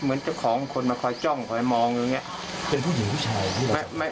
เหมือนเจ้าของคนไปคอยจ้องคอยมองอย่างนี้